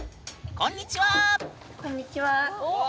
こんにちは！